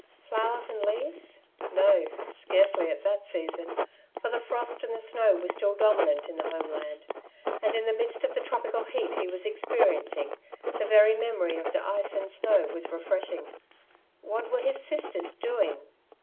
Flowers and leaves ? no, scarcely at that season, for the frost and the snow were still dominant in the home land ; and in the midst of the tropical heat he was experiencing, the very memory of the ice and snow was refresh ing. What were his sisters doing